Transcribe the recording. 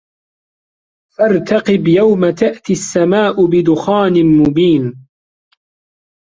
فَارتَقِب يَومَ تَأتِي السَّماءُ بِدُخانٍ مُبينٍ